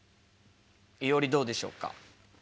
いおりどうでしょうか？